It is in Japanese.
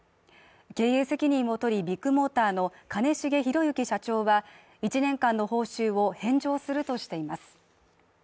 経営責任を取りビッグモーターの兼重宏行社長は１年間の報酬を返上するとしています。